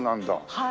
はい。